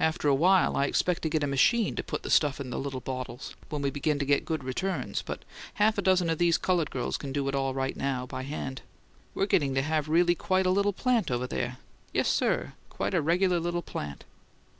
Afterwhile, I expect to get a machine to put the stuff in the little bottles, when we begin to get good returns; but half a dozen of these coloured girls can do it all right now, by hand. We're getting to have really quite a little plant over there: yes, sir, quite a regular little plant!"